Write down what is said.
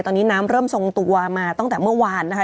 ก็เริ่มทรงตัวมาตั้งแต่เมื่อวานนะคะ